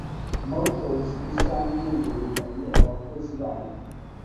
Motors rusange yirukanye abakozi bayo